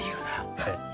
はい。